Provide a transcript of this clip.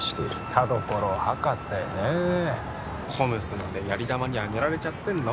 田所博士ねえＣＯＭＳまでやり玉に挙げられちゃってんの？